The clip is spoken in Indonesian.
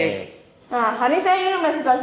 nah hari ini saya ingin mengakses